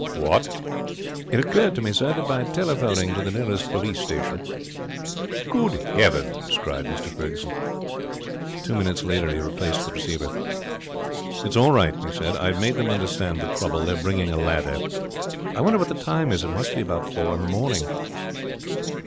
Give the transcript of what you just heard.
'What!' 'It occurred to me, sir, that by telephoning to the nearest police station ' 'Good heavens!' cried Mr Ferguson. Two minutes later he replaced the receiver. 'It's all right,' he said. 'I've made them understand the trouble. They're bringing a ladder. I wonder what the time is? It must be about four in the morning.'